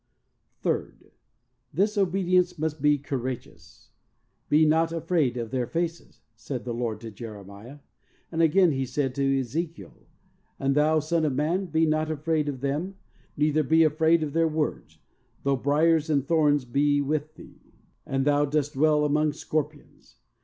Third: This obedience must be courage ous. "Be not afraid of their faces," said the Lord to Jeremiah. And again He said to Ezekiel, "And thou, son of man, be not afraid of them, neither be afraid of their words, though briers and thorns be with thee, and thou dost dwell among scorpions.